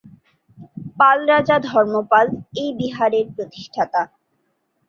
পাল রাজা ধর্মপাল এই বিহারের প্রতিষ্ঠাতা।